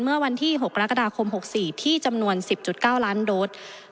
เมื่อวันที่๖กรกฎาคม๖๔ที่จำนวน๑๐๙ล้านโดส